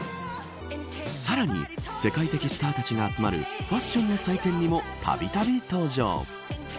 さらに、世界的スターたちが集まるファッションの祭典にもたびたび登場。